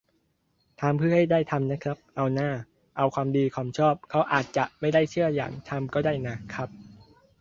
ทำเพื่อให้ได้ทำน่ะครับ เอาหน้า เอาความดีความชอบ เขาอาจจะไม่ได้เชื่ออย่างทำก็ได้น่ะครับ